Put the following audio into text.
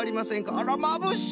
あらまぶしい！